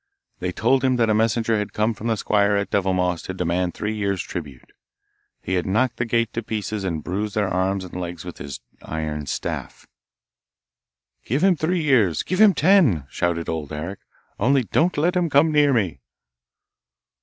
They told him that a messenger had come from the squire at Devilmoss to demand three years' tribute. He had knocked the gate to pieces and bruised their arms and legs with his iron staff. 'Give him three years'! give him ten!' shouted Old Eric, 'only don't let him come near me.